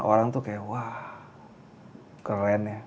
orang tuh kayak wah keren ya